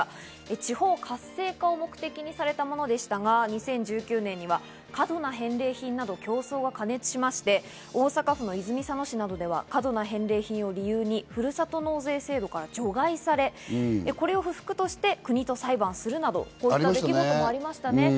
地方活性化を目的にされたものでしたが、２０１９年には過度な返礼品など競争が過熱しまして、大阪府の泉佐野市などでは過度な返礼品を理由に、ふるさと納税制度から除外され、これを不服として国と裁判するなどということもありましたね。